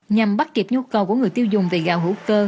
nhằm bắt kịp nhu cầu của người tiêu dùng về gạo hữu cơ